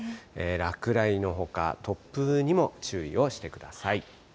落雷のほか、突風にも注意をしてください。